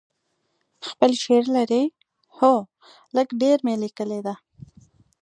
خپل شعر لرئ؟ هو، لږ ډیر می لیکلي ده